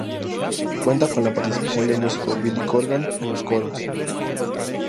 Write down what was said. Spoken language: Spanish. Cuenta con la participación del músico Billy Corgan en los coros.